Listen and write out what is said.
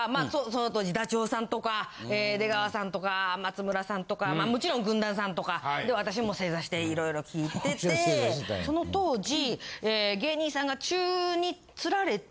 その当時ダチョウさんとか出川さんとか松村さんとかもちろん軍団さんとか私も正座していろいろ聞いててその当時。